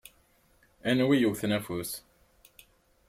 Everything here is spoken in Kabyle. Anwa i yewwten afus?